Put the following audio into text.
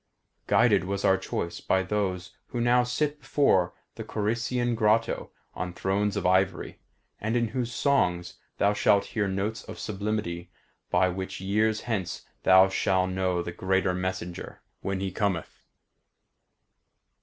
Guided was our choice by those who now sit before the Corycian grotto on thrones of ivory, and in whose songs thou shalt hear notes of sublimity by which years hence thou shall know the greater messenger when he cometh.